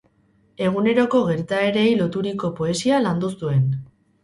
Eguneroko gertaerei loturiko poesia landu zuen.